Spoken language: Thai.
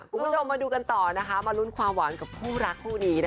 คุณผู้ชมมาดูกันต่อนะคะมาลุ้นความหวานกับคู่รักคู่นี้